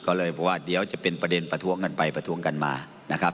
ก็เลยเพราะว่าเดี๋ยวจะเป็นประเด็นประท้วงกันไปประท้วงกันมานะครับ